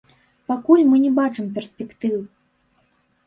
Пакуль мы не бачым перспектыў.